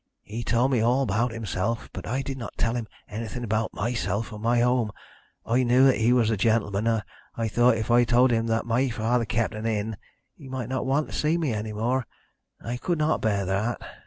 He told me all about himself, but I did not tell him anything about myself or my home. I knew he was a gentleman, and I thought if I told him that my father kept an inn he might not want to see me any more, and I could not bear that.